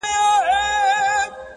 ستا خو جانانه د رڼا خبر په لـپـه كي وي.